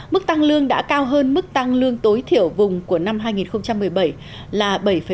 mức tăng lương đã cao hơn mức tăng lương tối thiểu vùng của năm hai nghìn một mươi bảy là bảy bảy